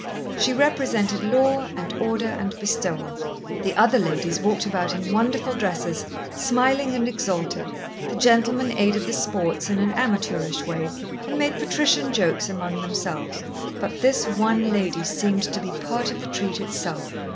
She represented law and order and bestowal. The other ladies walked about in wonderful dresses, smiling and exalted, the gentlemen aided the sports in an amateurish way and made patrician jokes among themselves, but this one lady seemed to be part of the treat itself.